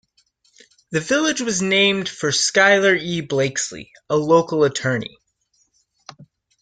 The village was named for Schuyler E. Blakeslee, a local attorney.